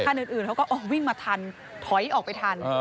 อื่นเขาก็วิ่งมาทันถอยออกไปทัน